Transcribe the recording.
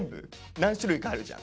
何種類かあるじゃん。